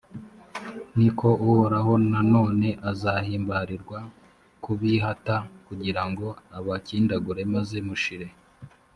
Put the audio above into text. ni ko uhoraho nanone azahimbarirwa kubihata kugira ngo abakindagure maze mushireho.